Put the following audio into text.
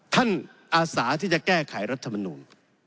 ท่านอาสาที่จะแก้ไขรัฐมนุน